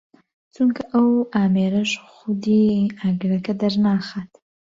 چونکە ئەو ئامێرەش خودی ئاگرەکە دەرناخات